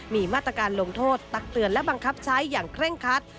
มีมาตรการลงโทษตักเตือนและบังคับใช้อย่างเคร่งคัด